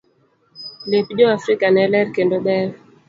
Lep jo afrika ne ler kendo beyo.